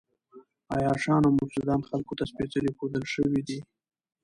عياشان او مفسدان خلکو ته سپېڅلي ښودل شوي دي.